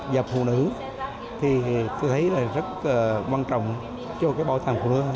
giọt phụ nữ thì tôi thấy là rất quan trọng cho cái bảo tàng phụ nữ